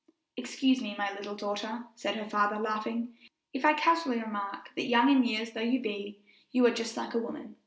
"Excuse me, my little daughter," said her father, laughing, "if I casually remark that young in years though you be, you are just like a woman.